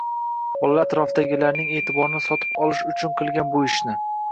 Bolalar “atrofdagilarning” e’tiborini sotib olish uchun qilgan bu ishni.